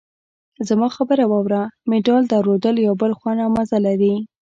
زما خبره واوره! مډال درلودل یو بېل خوند او مزه لري.